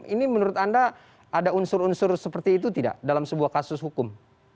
ini menurut anda ada unsur unsur seperti itu tidak dalam sebuah kasus hukum